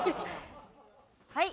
はい！